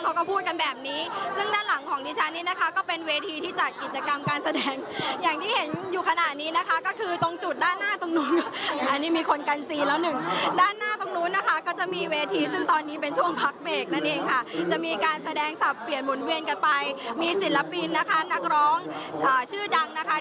เขาก็พูดกันแบบนี้ซึ่งด้านหลังของดิฉันนี่นะคะก็เป็นเวทีที่จัดกิจกรรมการแสดงอย่างที่เห็นอยู่ขณะนี้นะคะก็คือตรงจุดด้านหน้าตรงนู้นอันนี้มีคนกันซีแล้วหนึ่งด้านหน้าตรงนู้นนะคะก็จะมีเวทีซึ่งตอนนี้เป็นช่วงพักเบรกนั่นเองค่ะจะมีการแสดงสับเปลี่ยนหมุนเวียนกันไปมีศิลปินนะคะนักร้องชื่อดังนะคะ